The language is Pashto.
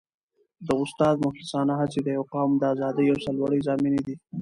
د استاد مخلصانه هڅې د یو قوم د ازادۍ او سرلوړۍ ضامنې دي.